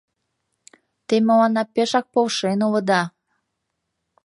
— Те мыланна пешак полшен улыда!